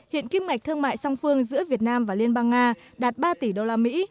hiện kim ngạch thương mại song phương giữa việt nam và liên bang nga đạt ba tỷ usd